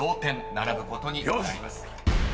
並ぶことになります］